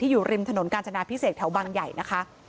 อยู่ริมถนนกาญจนาพิเศษแถวบางใหญ่นะคะ